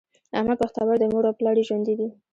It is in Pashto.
احمد بختور دی؛ مور او پلار یې ژوندي دي.